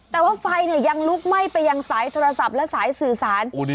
แต่ว่าไฟยังลุกไหม้ไปยังสายโทรศัพท์และสายสื่อสาร